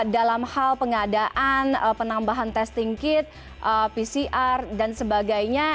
dalam hal pengadaan penambahan testing kit pcr dan sebagainya